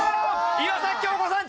岩崎恭子さん